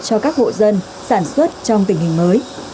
cho các hộ dân sản xuất trong tình hình mới